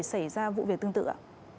xảy ra vụ việc tương tự ạ